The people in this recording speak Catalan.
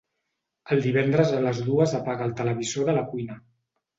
Els divendres a les dues apaga el televisor de la cuina.